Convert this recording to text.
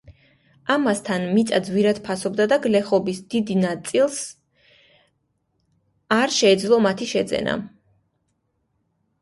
ამასთან მიწა ძვირად ფასობდა და გლეხობის დიდი ნაწილს არ შეეძლო მათი შეძენა.